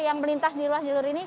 yang melintas di ruas jalur ini